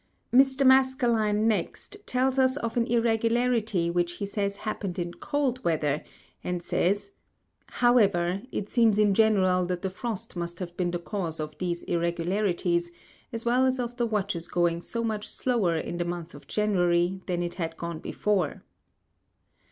Mr. Maskelyne next tells us of an irregularity which he says happened in cold Weather, and says, ŌĆ£However, it seems in general that the Frost must have been the cause of these irregularities, as well as of the WatchŌĆÖs going so much slower in the Month of January, than it had gone before.